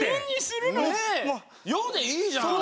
「よ」でいいじゃん。